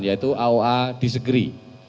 yaitu aoa disagree